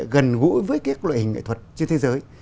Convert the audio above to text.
quan hệ gần gũi với cái loại hình nghệ thuật trên thế giới